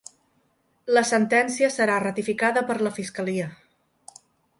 La sentència serà ratificada per la fiscalia